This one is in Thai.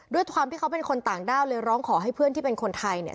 ด้วยความที่เขาเป็นคนต่างด้าวเลยร้องขอให้เพื่อนที่เป็นคนไทยเนี่ย